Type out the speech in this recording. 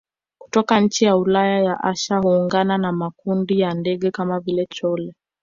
kutoka nchi za Ulaya na Asia huungana na makundi ya ndege kama vile chole